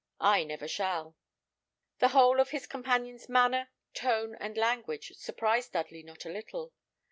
I never shall." The whole of his companion's manner, tone, and language surprised Dudley not a little.